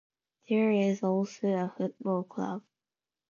There is also a football club, Dev Doorn.